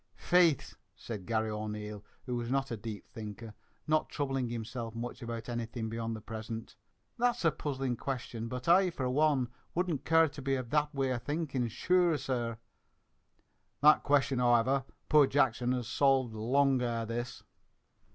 "Faith!" said Garry O'Neil, who was not a deep thinker, not troubling himself much about anything beyond the present. "That's a puzzling question; but I, for one, wouldn't care to be of that way of thinkin', sure, sir." "That question however, poor Jackson has solved, long ere this!"